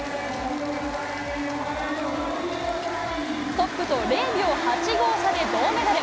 トップと０秒８５差で銅メダル。